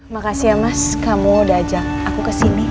makasih ya mas kamu udah ajak aku kesini